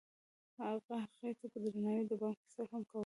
هغه هغې ته په درناوي د بام کیسه هم وکړه.